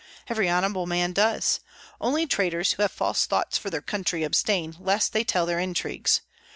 every honorable man does. Only traitors, who have false thoughts for their country, abstain, lest they tell their intrigues.